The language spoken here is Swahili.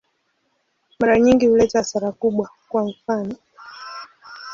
Mara nyingi huleta hasara kubwa, kwa mfano.